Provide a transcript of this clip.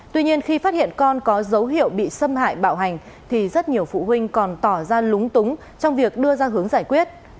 tuy nhiên khi phát hiện con có dấu hiệu bị xâm hại bạo hành thì rất nhiều phụ huynh còn tỏ ra lúng túng trong việc đưa ra hướng giải quyết